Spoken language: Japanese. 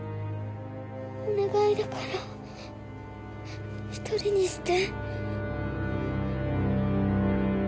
お願いだから一人にして。